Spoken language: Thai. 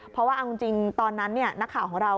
เพราะว่าเอาจริงตอนนั้นนักข่าวของเรา